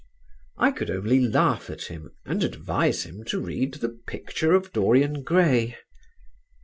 I could only laugh at him and advise him to read "The Picture of Dorian Gray."